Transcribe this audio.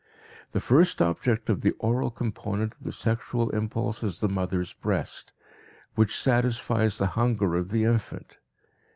The first object of the oral component of the sexual impulse is the mother's breast, which satisfies the hunger of the infant.